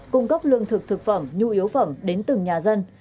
cung cấp lương thực thực phẩm nhu yếu phẩm đến từng nhà dân